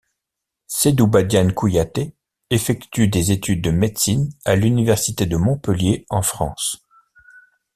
Seydou Badian Kouyaté effectue des études de médecine à l’université de Montpellier en France.